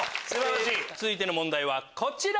続いての問題はこちら！